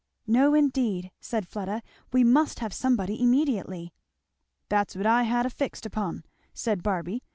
"No indeed!" said Fleda. "We must have somebody immediately." "That's what I had fixed upon," said Barby.